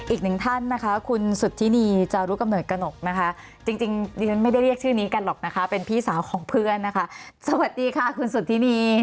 อีกหนึ่งท่านนะคะคุณสุธินีจารุกำเนิดกระหนกนะคะจริงดิฉันไม่ได้เรียกชื่อนี้กันหรอกนะคะเป็นพี่สาวของเพื่อนนะคะสวัสดีค่ะคุณสุธินี